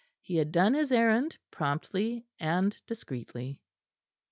He had done his errand promptly and discreetly.